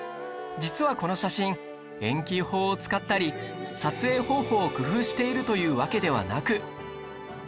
実はこの写真遠近法を使ったり撮影方法を工夫しているというわけではなく